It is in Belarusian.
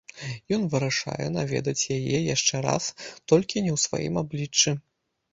Ён вырашае наведаць яе яшчэ раз, толькі не ў сваім абліччы.